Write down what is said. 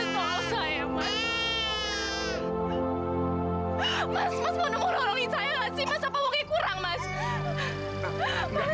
iya kamu nggak boleh gugup